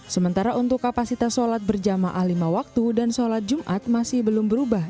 sementara untuk kapasitas sholat berjamaah lima waktu dan sholat jumat masih belum berubah